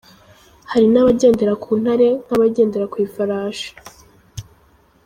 Hari n’abagendera ku ntare nk'abagendera ku ifarashi.